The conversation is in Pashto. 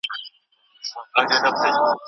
خطرونه ومنه ترڅو په راتلونکي کې بریالی شې.